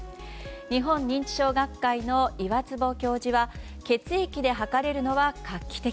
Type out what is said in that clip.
日本認知症学会の岩坪教授は血液で測れるのは画期的。